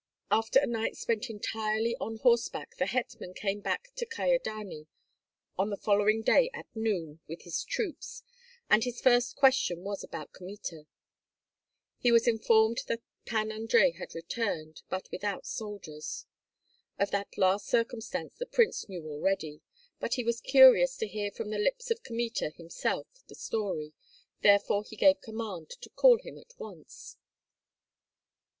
After a night spent entirely on horseback the hetman came back to Kyedani on the following day at noon with his troops, and his first question was about Kmita. He was informed that Pan Andrei had returned, but without soldiers. Of that last circumstance the prince knew already; but he was curious to hear from the lips of Kmita himself the story, therefore he gave command to call him at once.